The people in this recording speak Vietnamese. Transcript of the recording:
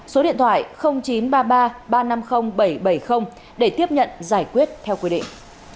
số điện thoại chín trăm ba mươi ba ba trăm năm mươi bảy trăm bảy mươi để tiếp nhận giải quyết theo quy định